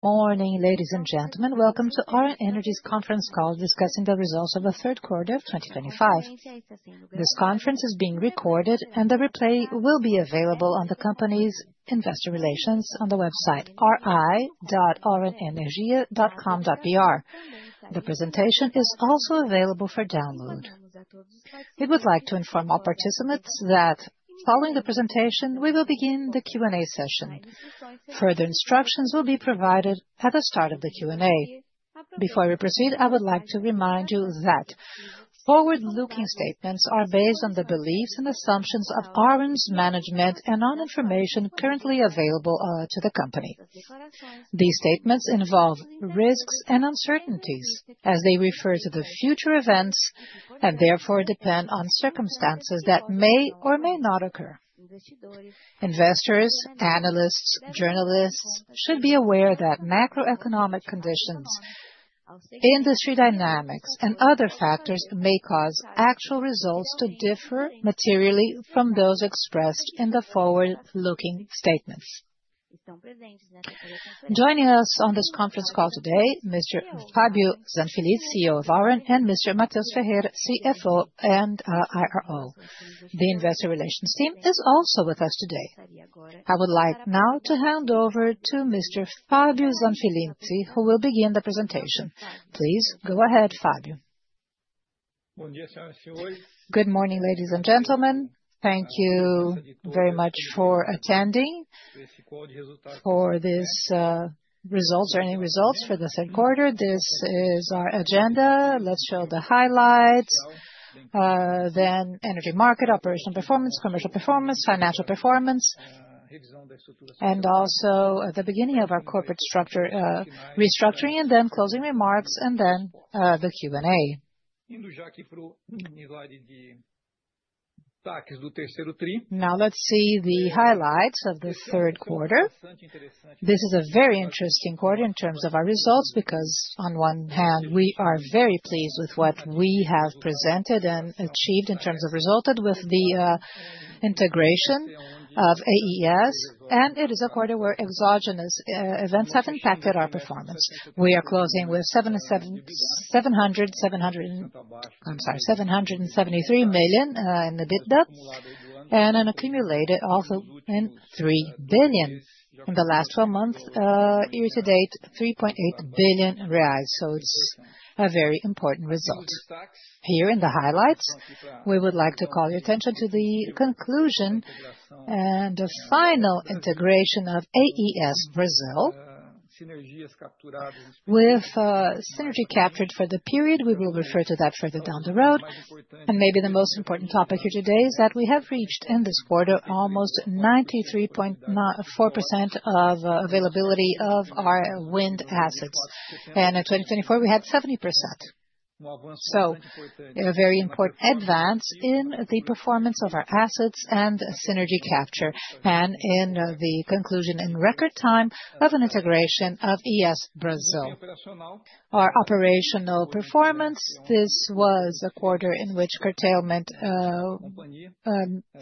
Morning, ladies and gentlemen. Welcome to Auren Energia's conference call discussing the results of the third quarter of 2025. This Conference is being recorded, and the replay will be available on the company's investor relations on the website ri.aurenenergia.com.br. The presentation is also available for download. We would like to inform all participants that following the presentation, we will begin the Q&A session. Further instructions will be provided at the start of the Q&A. Before we proceed, I would like to remind you that forward-looking statements are based on the beliefs and assumptions of Auren's management and on information currently available to the company. These statements involve risks and uncertainties, as they refer to future events and therefore depend on circumstances that may or may not occur. Investors, analysts, journalists should be aware that macroeconomic conditions, industry dynamics, and other factors may cause actual results to differ materially from those expressed in the forward-looking statements. Joining us on this conference call today, Mr. Fabio Zanfelice, CEO of Auren, and Mr. Mateus Ferreira, CFO and IRO. The investor relations team is also with us today. I would like now to hand over to Mr. Fabio Zanfelice, who will begin the presentation. Please go ahead, Fabio. Good morning, ladies and gentlemen. Thank you very much for attending for these results or any results for the third quarter. This is our agenda. Let's show the highlights. Then energy market, operational performance, commercial performance, financial performance, and also at the beginning of our corporate structure, restructuring, and then closing remarks, and then the Q&A. Now let's see the highlights of the third quarter. This is a very interesting quarter in terms of our results because on one hand, we are very pleased with what we have presented and achieved in terms of resulted with the integration of AES Brasil, and it is a quarter where exogenous events have impacted our performance. We are closing with 773 million in EBITDA and an accumulated also in 3 billion in the last 12 months, year to date, 3.8 billion reais. So it's a very important result. Here in the highlights, we would like to call your attention to the conclusion and the final integration of AES Brasil. With synergy captured for the period, we will refer to that further down the road. Maybe the most important topic here today is that we have reached in this quarter almost 93.4% of availability of our wind assets. In 2024, we had 70%. A very important advance in the performance of our assets and synergy capture and in the conclusion in record time of an integration of AES Brasil. Our operational performance, this was a quarter in which curtailment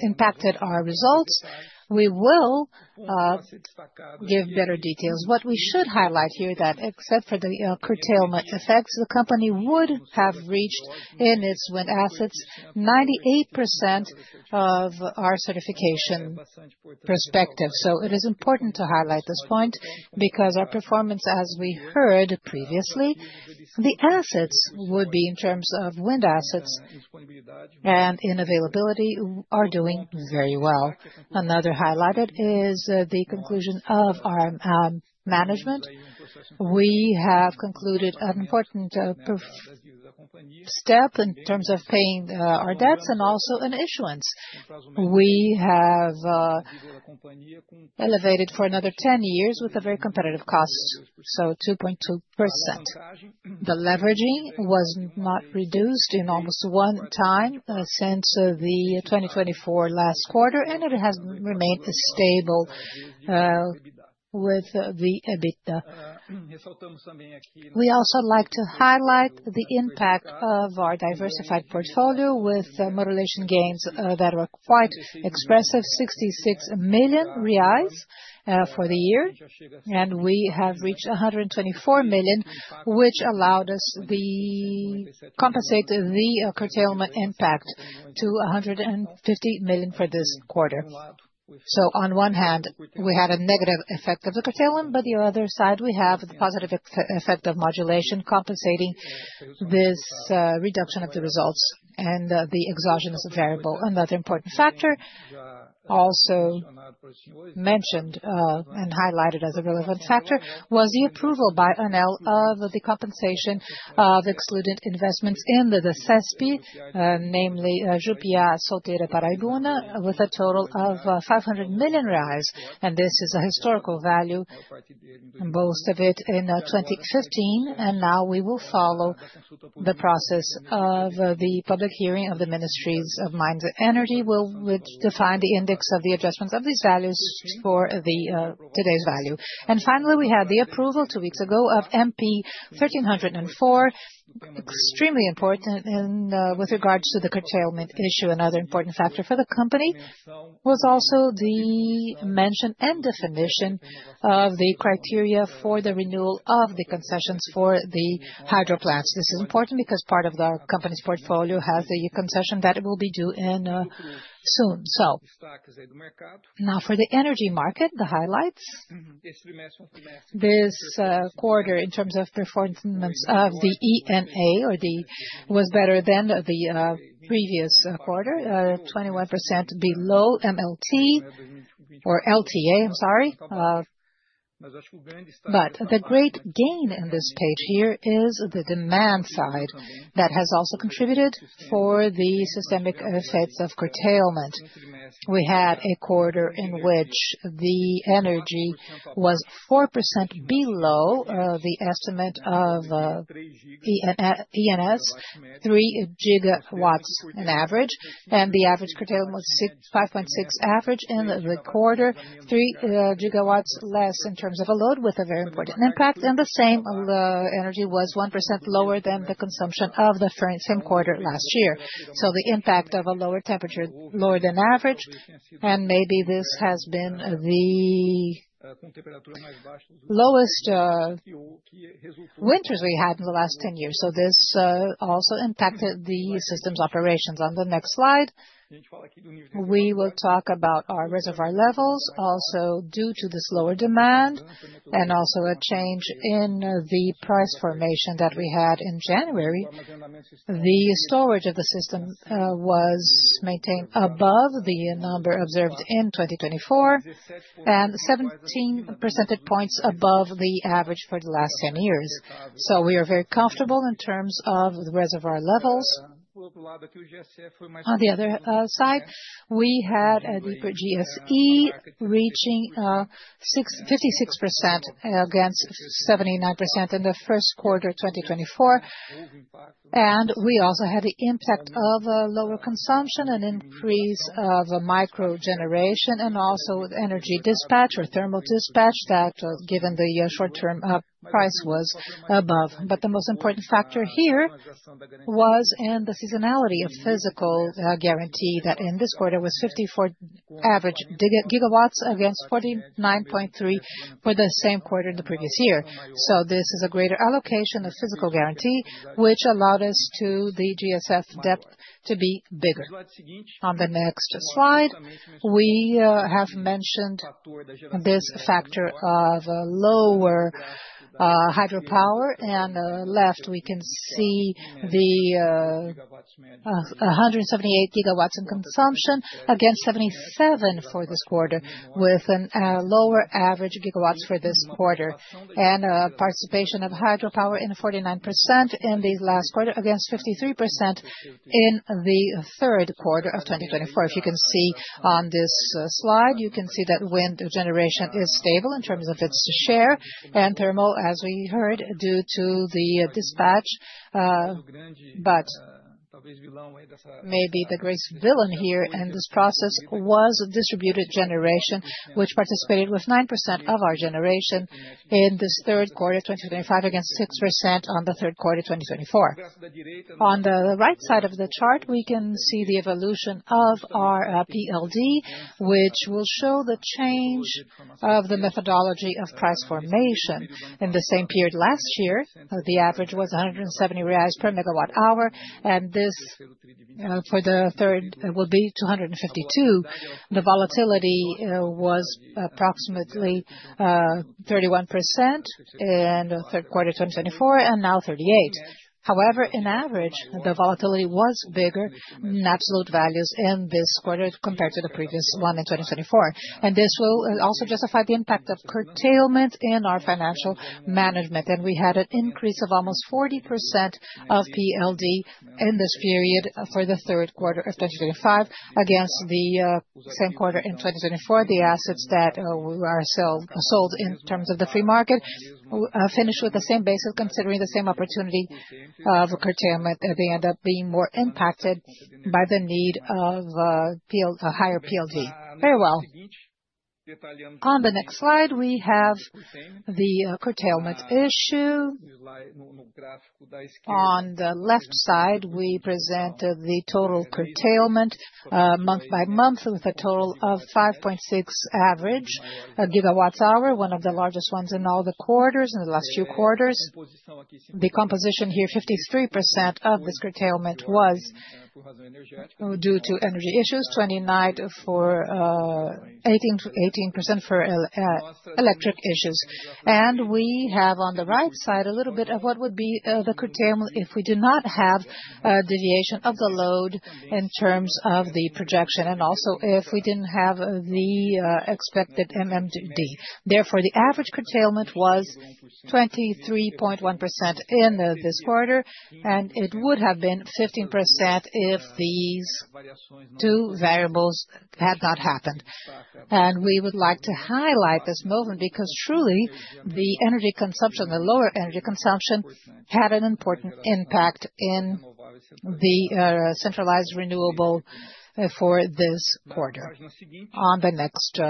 impacted our results. We will give better details. What we should highlight here is that except for the curtailment effects, the company would have reached in its wind assets 98% of our certification perspective. It is important to highlight this point because our performance, as we heard previously, the assets would be in terms of wind assets and in availability are doing very well. Another highlight is the conclusion of our management. We have concluded an important step in terms of paying our debts and also an issuance. We have elevated for another 10 years with a very competitive cost, so 2.2%. The leveraging was not reduced in almost one time since the 2024 last quarter, and it has remained stable with the EBITDA. We also like to highlight the impact of our diversified portfolio with modulation gains that were quite expressive, 66 million reais for the year, and we have reached 124 million, which allowed us to compensate the curtailment impact to 150 million for this quarter. On one hand, we had a negative effect of the curtailment, but on the other side, we have the positive effect of modulation compensating this reduction of the results and the exogenous variable. Another important factor also mentioned and highlighted as a relevant factor was the approval by ANEEL of the compensation of excluded investments in the CESP, namely Júpiter, Solteira, Paraíbuna, with a total of 500 million reais. This is a historical value, most of it in 2015, and now we will follow the process of the public hearing of the Ministries of Mines and Energy. We will define the index of the adjustments of these values for today's value. Finally, we had the approval two weeks ago of MP 1304, extremely important with regards to the curtailment issue and other important factors for the company. It was also the mention and definition of the criteria for the renewal of the concessions for the hydro plants. This is important because part of the company's portfolio has the concession that it will be due soon. Now for the energy market, the highlights. This quarter in terms of performance of the ENA was better than the previous quarter, 21% below MLT or LTA, I'm sorry. The great gain in this page here is the demand side that has also contributed for the systemic effects of curtailment. We had a quarter in which the energy was 4% below the estimate of ENS, 3 gigawatts in average, and the average curtailment was 5.6 average in the quarter, 3 gigawatts less in terms of a load with a very important impact. The same energy was 1% lower than the consumption of the same quarter last year. The impact of a lower temperature, lower than average, and maybe this has been the lowest winters we had in the last 10 years. This also impacted the system's operations. On the next slide, we will talk about our reservoir levels. Also, due to this lower demand and also a change in the price formation that we had in January, the storage of the system was maintained above the number observed in 2024 and 17 percentage points above the average for the last 10 years. We are very comfortable in terms of the reservoir levels. On the other side, we had a deeper GSF reaching 56% against 79% in the first quarter of 2024. We also had the impact of lower consumption, an increase of micro-generation, and also energy dispatch or thermal dispatch that given the short-term price was above. The most important factor here was in the seasonality of physical guarantee that in this quarter was 54 average gigawatts against 49.3 for the same quarter in the previous year. This is a greater allocation of physical guarantee, which allowed us to the GSF depth to be bigger. On the next slide, we have mentioned this factor of lower hydropower, and left we can see the 178 gigawatts in consumption against 77 for this quarter, with a lower average gigawatts for this quarter, and participation of hydropower in 49% in the last quarter against 53% in the third quarter of 2024. If you can see on this slide, you can see that wind generation is stable in terms of its share and thermal, as we heard, due to the dispatch. Maybe the greatest villain here in this process was distributed generation, which participated with 9% of our generation in this third quarter of 2025 against 6% in the third quarter of 2024. On the right side of the chart, we can see the evolution of our PLD, which will show the change of the methodology of price formation. In the same period last year, the average was 170 reais per megawatt hour, and this for the third will be 252. The volatility was approximately 31% in the third quarter of 2024, and now 38%. However, on average, the volatility was bigger in absolute values in this quarter compared to the previous one in 2024. This will also justify the impact of curtailment in our financial management. We had an increase of almost 40% of PLD in this period for the third quarter of 2025 against the same quarter in 2024. The assets that were sold in terms of the free market finished with the same basis, considering the same opportunity of curtailment. They end up being more impacted by the need of higher PLD. Very well. On the next slide, we have the curtailment issue. On the left side, we present the total curtailment month by month with a total of 5.6 average gigawatts hour, one of the largest ones in all the quarters in the last few quarters. The composition here, 53% of this curtailment was due to energy issues, 29% for, 18% for electric issues. We have on the right side a little bit of what would be the curtailment if we did not have a deviation of the load in terms of the projection and also if we did not have the expected MMD. Therefore, the average curtailment was 23.1% in this quarter, and it would have been 15% if these two variables had not happened. We would like to highlight this movement because truly the energy consumption, the lower energy consumption had an important impact in the centralized renewable for this quarter. On the next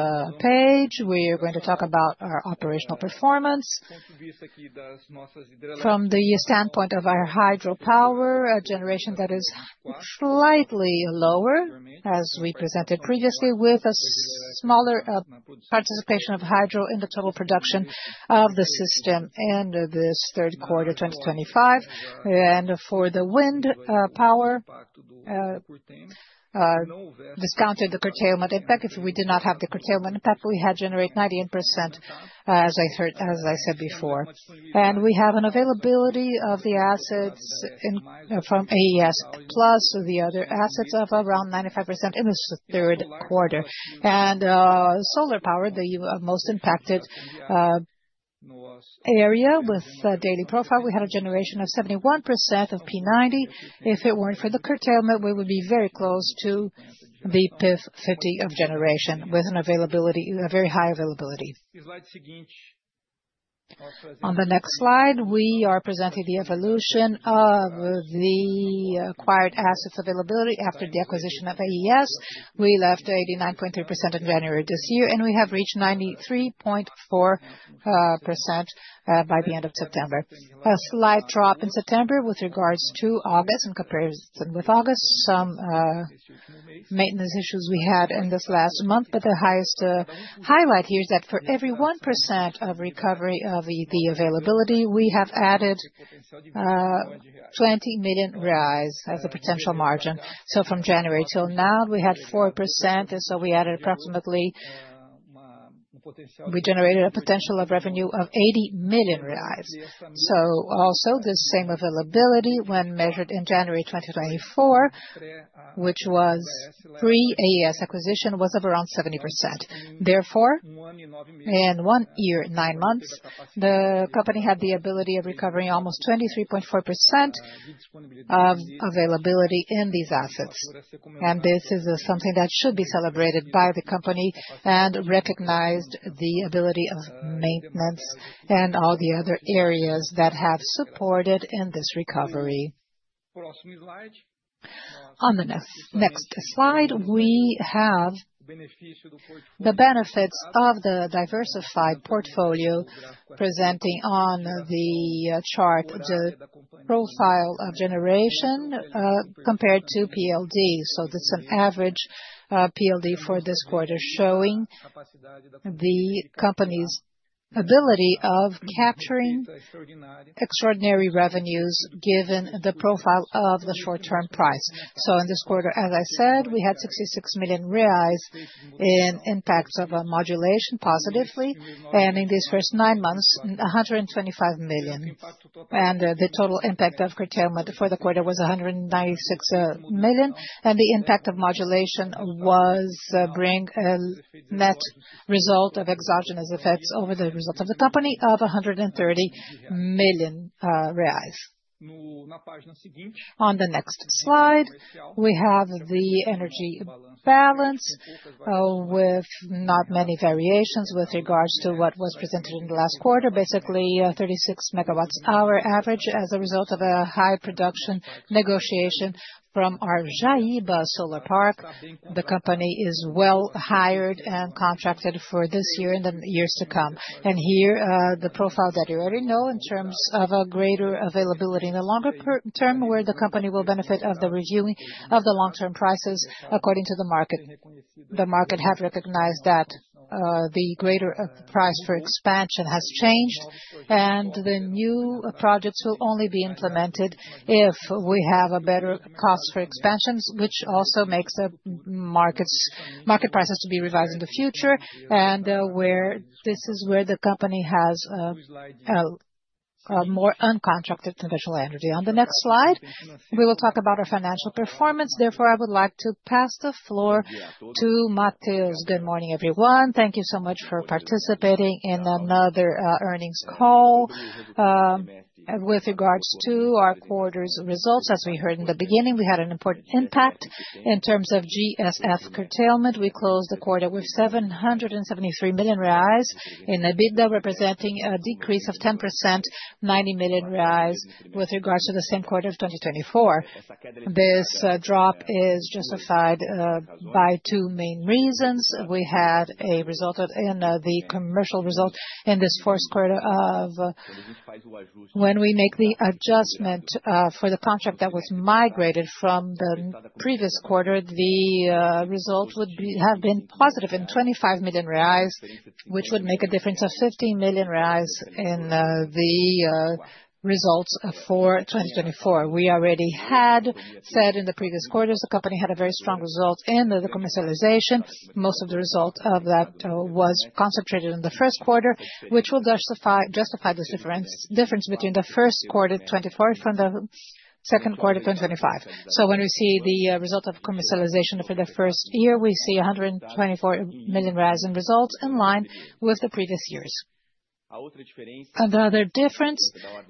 page, we are going to talk about our operational performance. From the standpoint of our hydropower generation, that is slightly lower, as we presented previously, with a smaller participation of hydro in the total production of the system in this third quarter of 2025. For the wind power, discounted the curtailment impact. If we did not have the curtailment impact, we had generate 98%, as I said before. We have an availability of the assets from AES plus the other assets of around 95% in this third quarter. Solar power, the most impacted area with daily profile, we had a generation of 71% of P90. If it were not for the curtailment, we would be very close to the PIF 50 of generation with an availability, a very high availability. On the next slide, we are presenting the evolution of the acquired assets availability after the acquisition of AES. We left 89.3% in January this year, and we have reached 93.4% by the end of September. A slight drop in September with regards to August in comparison with August. Some maintenance issues we had in this last month, but the highest highlight here is that for every 1% of recovery of the availability, we have added 20 million reais as a potential margin. From January till now, we had 4%, and we added approximately, we generated a potential of revenue of 80 million reais. Also, this same availability when measured in January 2024, which was pre-AES Brasil acquisition, was of around 70%. Therefore, in one year, nine months, the company had the ability of recovering almost 23.4% of availability in these assets. This is something that should be celebrated by the company and recognized, the ability of maintenance and all the other areas that have supported in this recovery. On the next slide, we have the benefits of the diversified portfolio presenting on the chart the profile of generation compared to PLD. That's an average PLD for this quarter showing the company's ability of capturing extraordinary revenues given the profile of the short-term price. In this quarter, as I said, we had 66 million reais in impacts of modulation positively, and in these first nine months, 125 million. The total impact of curtailment for the quarter was 196 million, and the impact of modulation was bringing a net result of exogenous effects over the result of the company of 130 million reais. On the next slide, we have the energy balance with not many variations with regards to what was presented in the last quarter, basically 36 megawatt hour average as a result of a high production negotiation from our Jaíba Solar Park. The company is well hired and contracted for this year and the years to come. Here the profile that you already know in terms of a greater availability in the longer term where the company will benefit of the reviewing of the long-term prices according to the market. The market has recognized that the greater price for expansion has changed, and the new projects will only be implemented if we have a better cost for expansions, which also makes market prices to be revised in the future, and where this is where the company has more uncontracted conventional energy. On the next slide, we will talk about our financial performance. Therefore, I would like to pass the floor to Mateus. Good morning, everyone. Thank you so much for participating in another earnings call with regards to our quarter's results. As we heard in the beginning, we had an important impact in terms of GSF curtailment. We closed the quarter with 773 million reais in EBITDA, representing a decrease of 10%, 90 million reais with regards to the same quarter of 2024. This drop is justified by two main reasons. We had a result in the commercial result in this fourth quarter of when we make the adjustment for the contract that was migrated from the previous quarter, the result would have been positive in 25 million reais, which would make a difference of 15 million reais in the results for 2024. We already had said in the previous quarters, the company had a very strong result in the commercialization. Most of the result of that was concentrated in the first quarter, which will justify this difference between the first quarter of 2024 from the second quarter of 2025. When we see the result of commercialization for the first year, we see 124 million in results in line with the previous years. Another difference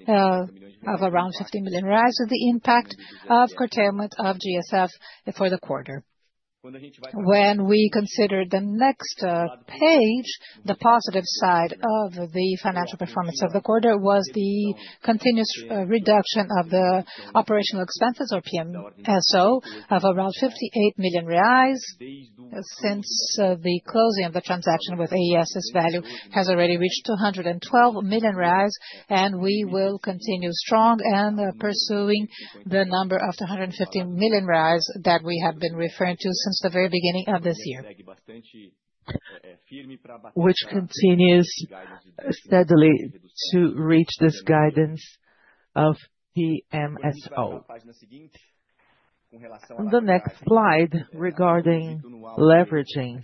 of around 15 million is the impact of curtailment of GSF for the quarter. When we consider the next page, the positive side of the financial performance of the quarter was the continuous reduction of the operational expenses or PMSO of around 58 million reais since the closing of the transaction with AES Brasil's value has already reached 212 million, and we will continue strong and pursuing the number of 250 million that we have been referring to since the very beginning of this year, which continues steadily to reach this guidance of PMSO. On the next slide regarding leveraging,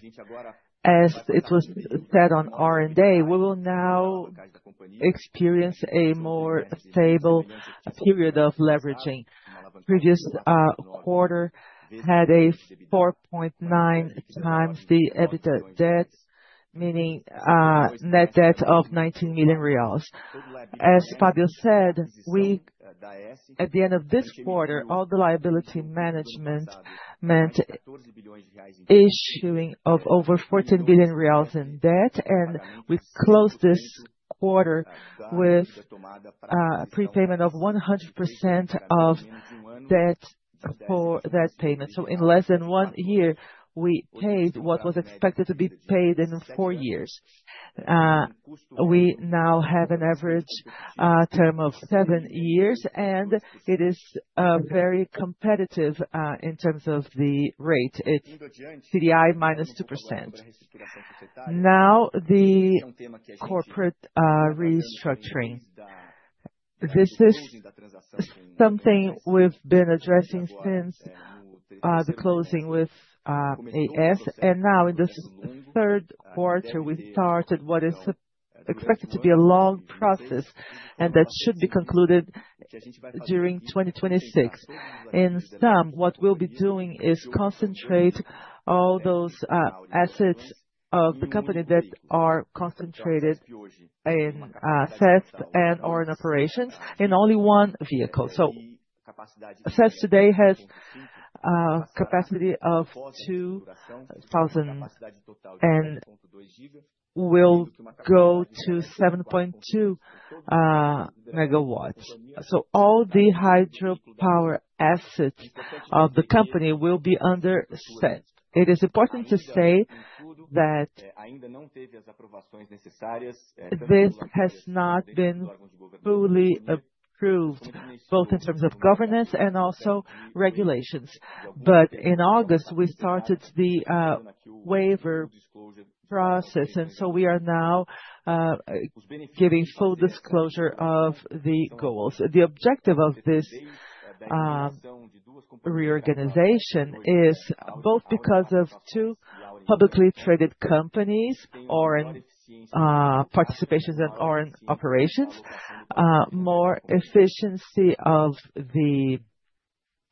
as it was said on R&Day, we will now experience a more stable period of leveraging. The previous quarter had a 4.9 times the EBITDA debt, meaning net debt of 19 million reais. As Fabio said, at the end of this quarter, all the liability management meant issuing of over 14 billion reais in debt, and we closed this quarter with a prepayment of 100% of debt for that payment. In less than one year, we paid what was expected to be paid in four years. We now have an average term of seven years, and it is very competitive in terms of the rate. It is CDI minus 2%. Now, the corporate restructuring. This is something we have been addressing since the closing with AES. In this third quarter, we started what is expected to be a long process, and that should be concluded during 2026. In sum, what we will be doing is concentrate all those assets of the company that are concentrated in CESP and/or in operations in only one vehicle. CESP today has a capacity of 2,000 and will go to 7.2 megawatts. All the hydropower assets of the company will be under CESP. It is important to say that this has not been fully approved, both in terms of governance and also regulations. In August, we started the waiver process, and we are now giving full disclosure of the goals. The objective of this reorganization is both because of two publicly traded companies, or in participations and or in operations, more efficiency of the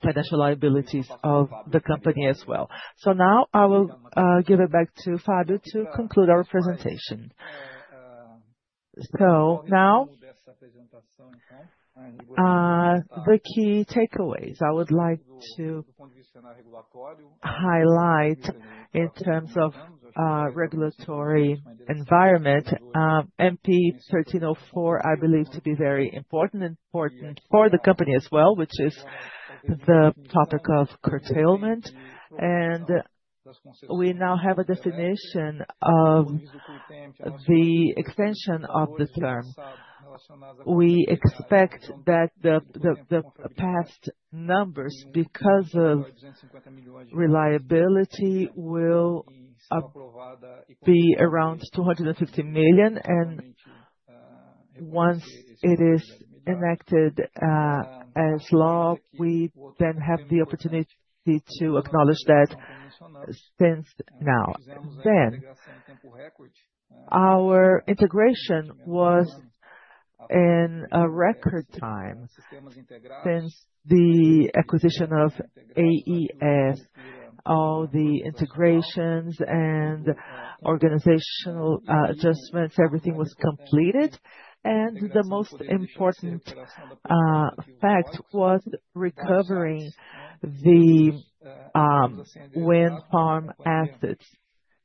financial liabilities of the company as well. I will give it back to Fabio to conclude our presentation. The key takeaways I would like to highlight in terms of regulatory environment. MP 1304, I believe, to be very important for the company as well, which is the topic of curtailment. We now have a definition of the extension of the term. We expect that the past numbers, because of reliability, will be around 250 million. Once it is enacted as law, we then have the opportunity to acknowledge that since now. Our integration was in a record time since the acquisition of AES Brasil, all the integrations and organizational adjustments, everything was completed. The most important fact was recovering the wind power assets.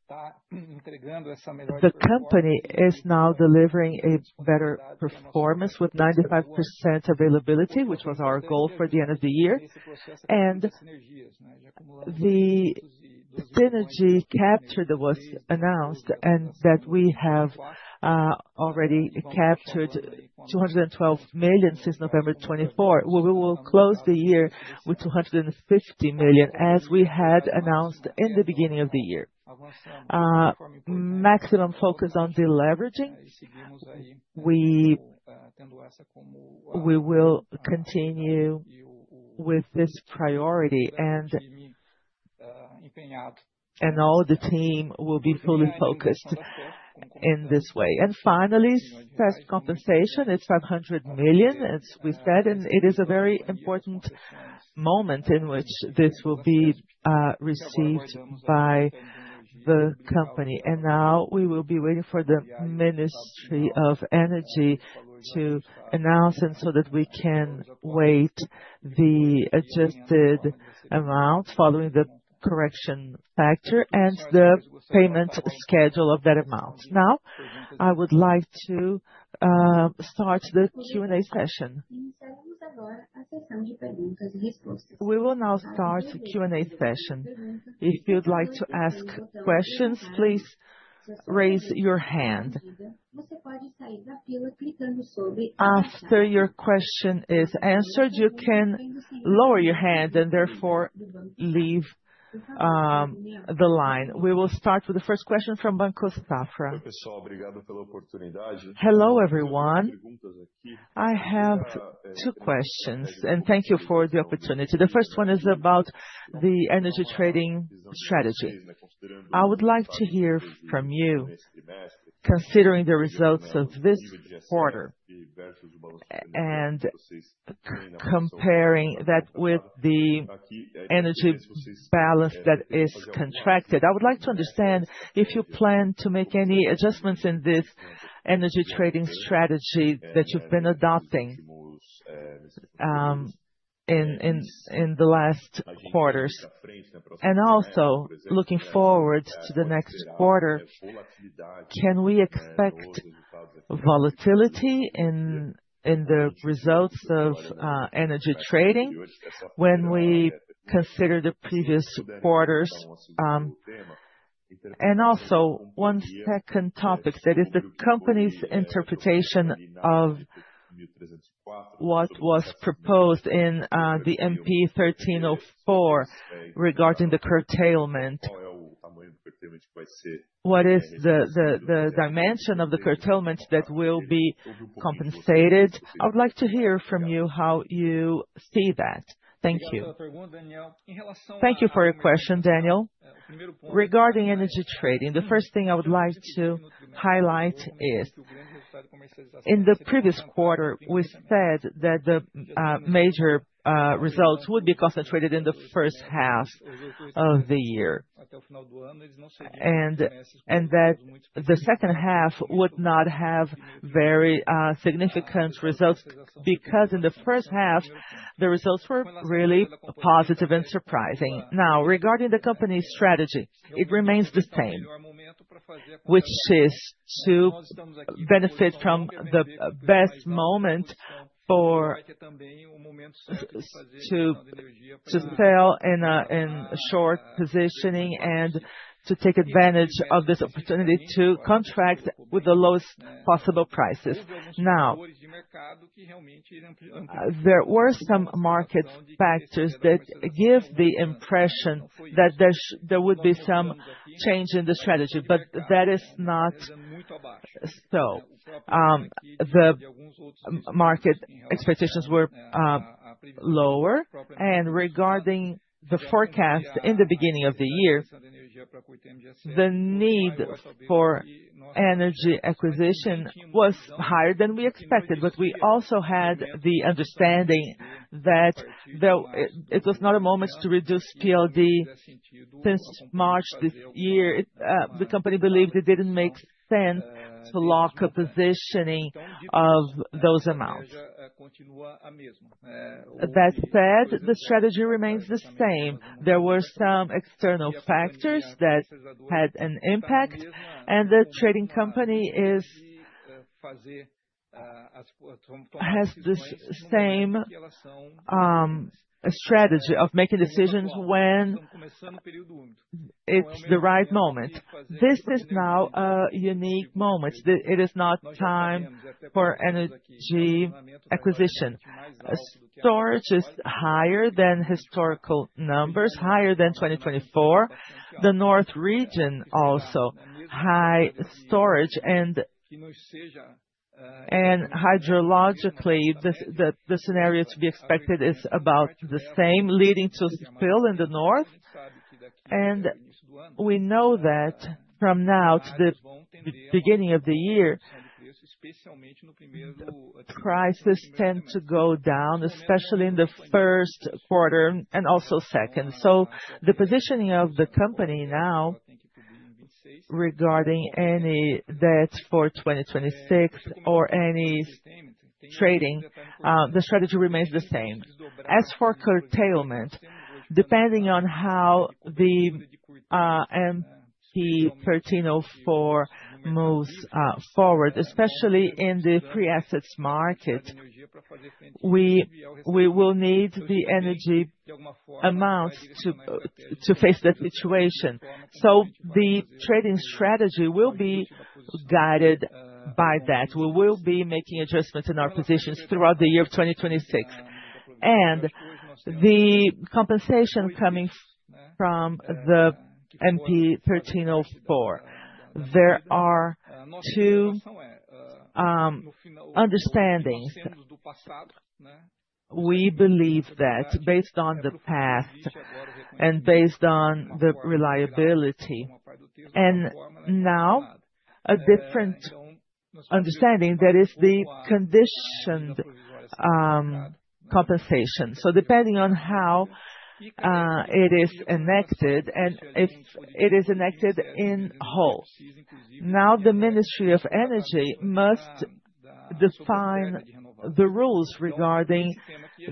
The company is now delivering a better performance with 95% availability, which was our goal for the end of the year. The synergy capture that was announced and that we have already captured 212 million since November 24, we will close the year with 250 million, as we had announced in the beginning of the year. Maximum focus on the leveraging. We will continue with this priority, and all the team will be fully focused in this way. Finally, CESP compensation, it is 500 million, as we said, and it is a very important moment in which this will be received by the company. Now we will be waiting for the Ministry of Energy to announce so that we can wait for the adjusted amount following the correction factor and the payment schedule of that amount. I would like to start the Q&A session. We will now start the Q&A session. If you'd like to ask questions, please raise your hand. After your question is answered, you can lower your hand and therefore leave the line. We will start with the first question from Banco Safra. Hello, everyone. I have two questions, and thank you for the opportunity. The first one is about the energy trading strategy. I would like to hear from you, considering the results of this quarter and comparing that with the energy balance that is contracted. I would like to understand if you plan to make any adjustments in this energy trading strategy that you've been adopting in the last quarters. Also, looking forward to the next quarter, can we expect volatility in the results of energy trading when we consider the previous quarters? One second topic, that is the company's interpretation of what was proposed in the MP 1304 regarding the curtailment. What is the dimension of the curtailment that will be compensated? I would like to hear from you how you see that. Thank you. Thank you for your question, Daniel. Regarding energy trading, the first thing I would like to highlight is, in the previous quarter, we said that the major results would be concentrated in the first half of the year, and that the second half would not have very significant results because in the first half, the results were really positive and surprising. Now, regarding the company's strategy, it remains the same, which is to benefit from the best moment to sell in short positioning and to take advantage of this opportunity to contract with the lowest possible prices. Now, there were some market factors that give the impression that there would be some change in the strategy, but that is not so. The market expectations were lower, and regarding the forecast in the beginning of the year, the need for energy acquisition was higher than we expected, but we also had the understanding that it was not a moment to reduce PLD since March this year. The company believed it didn't make sense to lock a positioning of those amounts. That said, the strategy remains the same. There were some external factors that had an impact, and the trading company has the same strategy of making decisions when it's the right moment. This is now a unique moment. It is not time for energy acquisition. Storage is higher than historical numbers, higher than 2024. The north region also, high storage, and hydrologically, the scenario to be expected is about the same, leading to spill in the north. We know that from now to the beginning of the year, the prices tend to go down, especially in the first quarter and also second. The positioning of the company now regarding any debt for 2026 or any trading, the strategy remains the same. As for curtailment, depending on how the MP 1304 moves forward, especially in the pre-assets market, we will need the energy amounts to face that situation. The trading strategy will be guided by that. We will be making adjustments in our positions throughout the year 2026. The compensation coming from the MP 1304, there are two understandings. We believe that, based on the past and based on the reliability, and now a different understanding, that is the conditioned compensation. Depending on how it is enacted and if it is enacted in whole. Now, the Ministry of Energy must define the rules regarding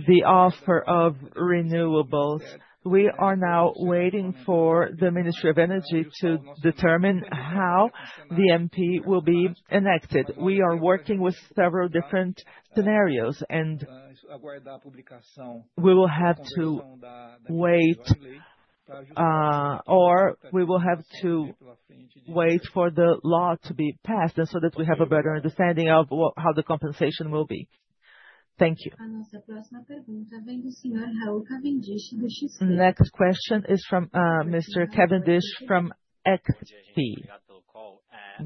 the offer of renewables. We are now waiting for the Ministry of Energy to determine how the MP will be enacted. We are working with several different scenarios, and we will have to wait, or we will have to wait for the law to be passed so that we have a better understanding of how the compensation will be. Thank you. Next question is from Mr. Kevin Disch from XP.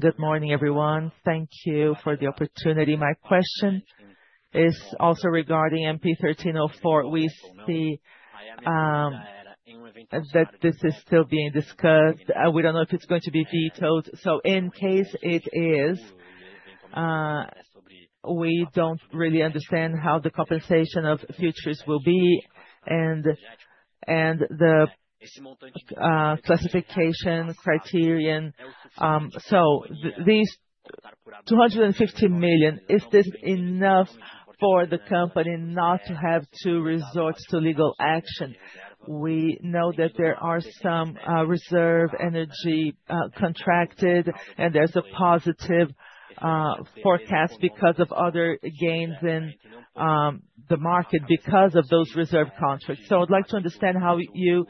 Good morning, everyone. Thank you for the opportunity. My question is also regarding MP 1304. We see that this is still being discussed. We do not know if it is going to be vetoed. In case it is, we do not really understand how the compensation of futures will be and the classification criterion. These 250 million, is this enough for the company not to have to resort to legal action? We know that there are some reserve energy contracted, and there's a positive forecast because of other gains in the market because of those reserve contracts. I would like to understand how you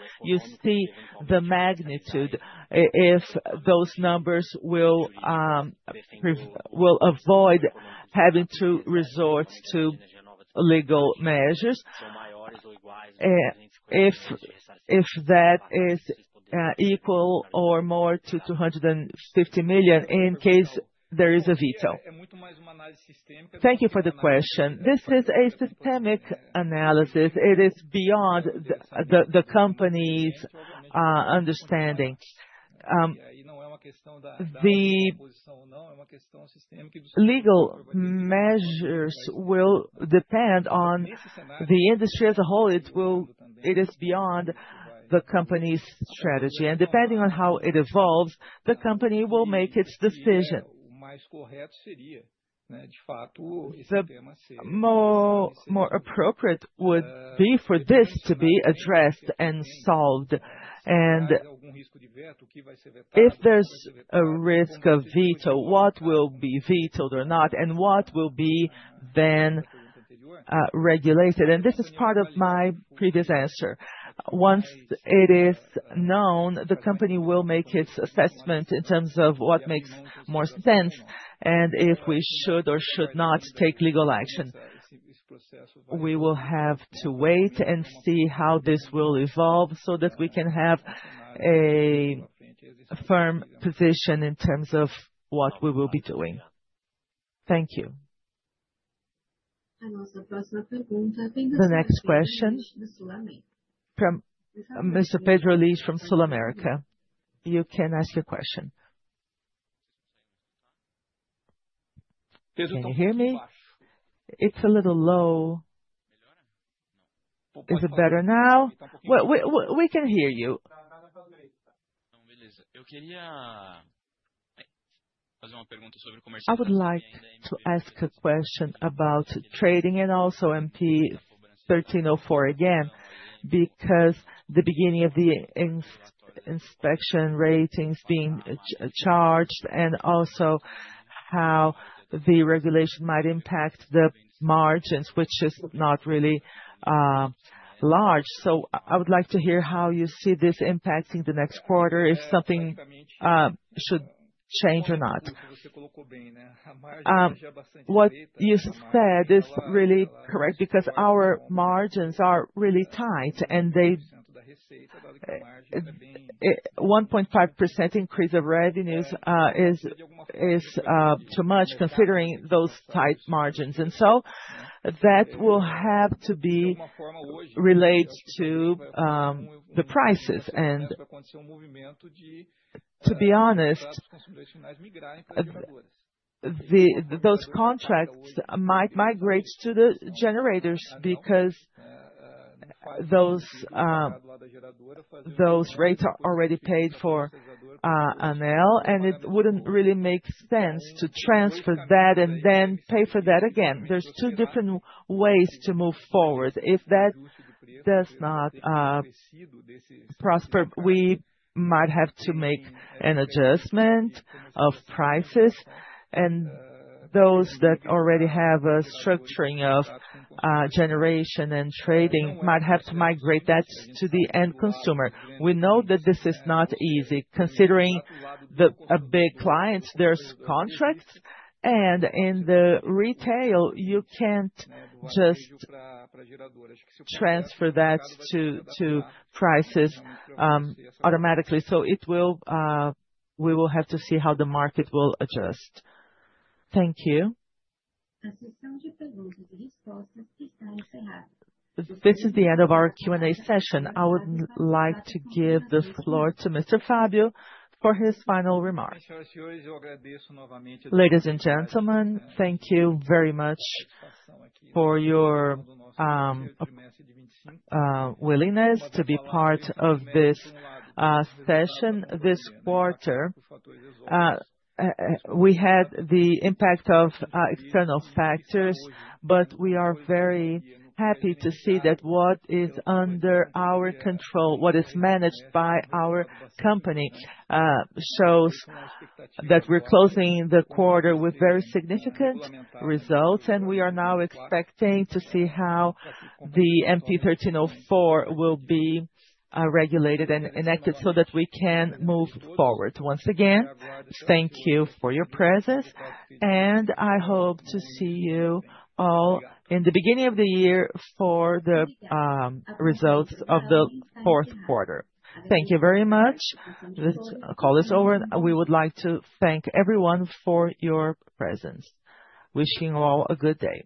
see the magnitude if those numbers will avoid having to resort to legal measures if that is equal or more to 250 million in case there is a veto. Thank you for the question. This is a systemic analysis. It is beyond the company's understanding. The legal measures will depend on the industry as a whole. It is beyond the company's strategy. Depending on how it evolves, the company will make its decision. More appropriate would be for this to be addressed and solved. If there is a risk of veto, what will be vetoed or not, and what will be then regulated? This is part of my previous answer. Once it is known, the company will make its assessment in terms of what makes more sense and if we should or should not take legal action. We will have to wait and see how this will evolve so that we can have a firm position in terms of what we will be doing. Thank you. The next question. Mr. Pedro Nirschl from SulAmérica. You can ask your question. Can you hear me? It's a little low. Is it better now? We can hear you. I would like to ask a question about trading and also MP 1304 again because the beginning of the inspection ratings being charged and also how the regulation might impact the margins, which is not really large. I would like to hear how you see this impacting the next quarter, if something should change or not. What you said is really correct because our margins are really tight, and a 1.5% increase of revenues is too much considering those tight margins. That will have to be related to the prices. To be honest, those contracts might migrate to the generators because those rates are already paid for annual, and it would not really make sense to transfer that and then pay for that again. There are two different ways to move forward. If that does not prosper, we might have to make an adjustment of prices, and those that already have a structuring of generation and trading might have to migrate that to the end consumer. We know that this is not easy. Considering the big clients, there are contracts, and in the retail, you cannot just transfer that to prices automatically. We will have to see how the market will adjust. Thank you. This is the end of our Q&A session. I would like to give the floor to Mr. Fabio for his final remarks. Ladies and gentlemen, thank you very much for your willingness to be part of this session. This quarter, we had the impact of external factors, but we are very happy to see that what is under our control, what is managed by our company, shows that we're closing the quarter with very significant results, and we are now expecting to see how the MP 1304 will be regulated and enacted so that we can move forward. Once again, thank you for your presence, and I hope to see you all in the beginning of the year for the results of the fourth quarter. Thank you very much. This call is over. We would like to thank everyone for your presence. Wishing you all a good day.